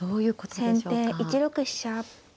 先手１六飛車。